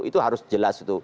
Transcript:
itu harus jelas